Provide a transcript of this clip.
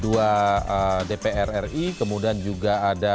kemudian juga ada pak laude ahmad yang merupakan direktur ormas dan yang juga menjaga